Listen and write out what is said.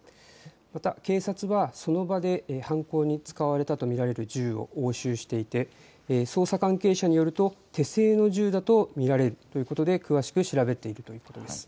また警察は、その場で犯行に使われたと見られる銃を押収していて捜査関係者によると手製の銃だと見られるということで詳しく調べているということです。